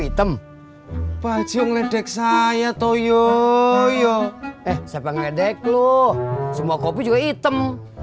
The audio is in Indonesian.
kopi item baju ngedek saya to yoyo eh siapa ngedek lo semua kopi juga item